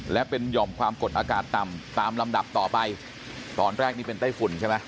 และเป็นหย่อมความกดอากาศต่ำตามลำดับต่อไปตอนแรกนี่เป็นไต้ฝุ่นใช่ไหม